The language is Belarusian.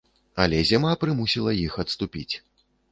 Але зіма прымусіла іх адступіць.